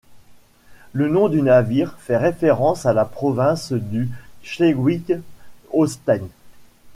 Le nom du navire fait référence à la province du Schleswig-Holstein.